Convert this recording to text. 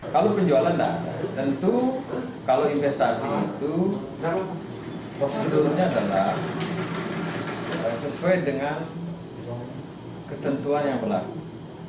kalau penjualan tidak tentu kalau investasi itu prosedurnya adalah sesuai dengan ketentuan yang berlaku